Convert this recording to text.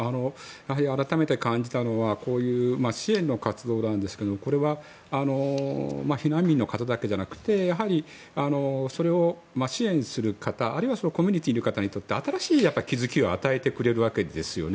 改めて感じたのが支援の活動なんですけどこれは避難民の方だけじゃなくてやはりそれを支援する方コミュニティーの方にとって新しい気付きを与えてくれるわけですよね。